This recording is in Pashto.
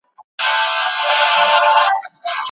په اسلام کې د پوهې درجې ډیرې لوړې دي.